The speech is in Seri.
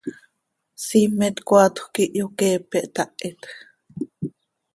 Siimet coaatjö quih hyoqueepe, htahit x.